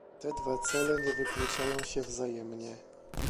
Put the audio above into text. te dwa cele nie wykluczają się wzajemnie